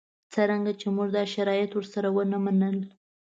څرنګه چې موږ دا شرایط ورسره ونه منل.